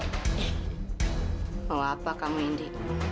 eh mau apa kamu indy